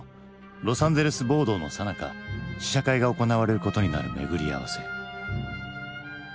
ロサンゼルス暴動のさなか試写会が行われることになる巡り合わせ。